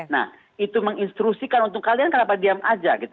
nah itu menginstrusikan untuk kalian kenapa diam aja